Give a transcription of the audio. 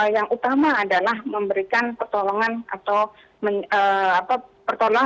yang utama adalah memberikan pertolongan atau pertolongan untuk pemerintah jepang